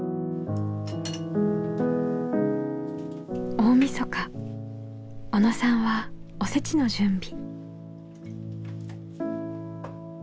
大みそか小野さんはおせちの準備。